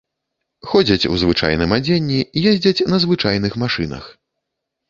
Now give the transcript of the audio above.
Ходзяць у звычайным адзенні, ездзяць на звычайных машынах.